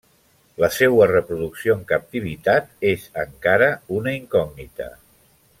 La seua reproducció en captivitat és encara una incògnita.